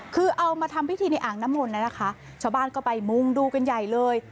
คือเอามาทำพิธีในอ่างน้ำมนต์นะคะชาวบ้านก็ไปมุ่งดูกันใหญ่เลย